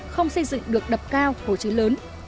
không xây dựng được đập cao hồ chứ lớn